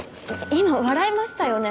今笑いましたよね？